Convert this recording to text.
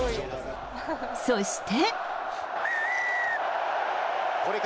そして。